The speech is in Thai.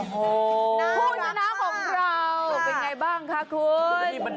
ผู้ชนะของเราเป็นไงบ้างคะคุณ